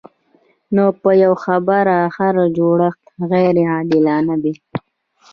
نو په یوه خبره هر جوړښت غیر عادلانه دی.